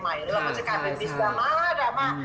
หรือว่ามันจะกลายเป็นบิสดราม่าดราม่า